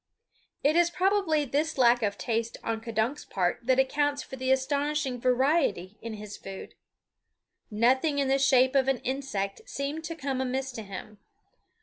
It is probably this lack of taste on K'dunk's part that accounts for the astonishing variety in his food. Nothing in the shape of an insect seemed to come amiss to him.